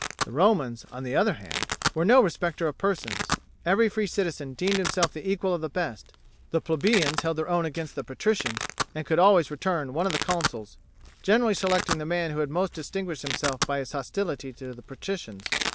The Romans, on the other hand, were no respecters of persons. Every free citizen deemed himself the equal of the best; the plebeians held their own against the patricians, and could always return one of the consuls, generally selecting the man who had most distinguished himself by his hostility to the patricians.